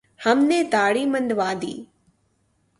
ہم نے دھاڑی منڈوادی